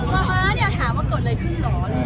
ฟ้าเนี่ยถามว่าเกิดอะไรขึ้นเหรอ